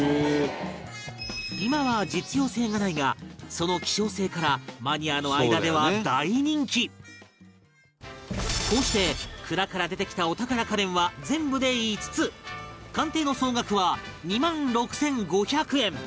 今は、実用性がないがその希少性からマニアの間では大人気こうして、蔵から出てきたお宝家電は全部で５つ鑑定の総額は２万６５００円